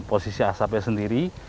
posisi asapnya sendiri